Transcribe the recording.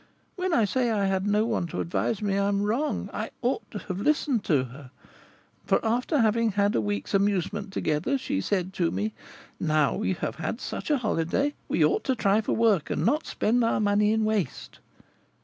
When I say I had no one to advise me, I am wrong: I ought to have listened to her; for, after having had a week's amusement together, she said to me, 'Now we have had such a holiday, we ought to try for work, and not spend our money in waste.'